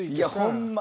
ホンマ。